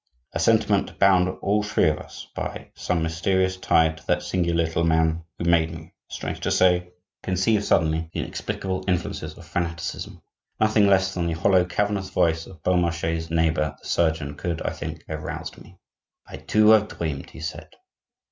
A sentiment bound all three of us by some mysterious tie to that singular little man, who made me, strange to say, conceive, suddenly, the inexplicable influences of fanaticism. Nothing less than the hollow, cavernous voice of Beaumarchais's neighbor, the surgeon, could, I think, have roused me. "I, too, have dreamed," he said.